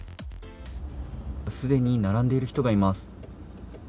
すでに並んでいる人がいます。